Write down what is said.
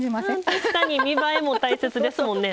確かに見栄えも大切ですもんね。